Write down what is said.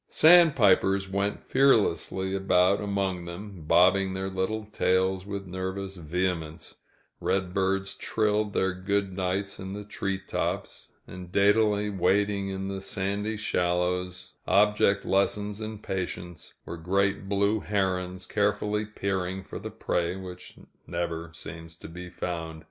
Sand pipers went fearlessly about among them, bobbing their little tails with nervous vehemence; redbirds trilled their good nights in the tree tops; and, daintily wading in the sandy shallows, object lessons in patience, were great blue herons, carefully peering for the prey which never seems to be found.